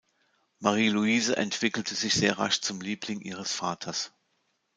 Marie Louise entwickelte sich sehr rasch zum Liebling ihres Vaters.